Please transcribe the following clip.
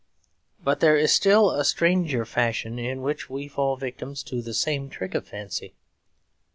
But there is a still stranger fashion in which we fall victims to the same trick of fancy.